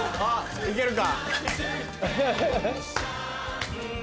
行けるか？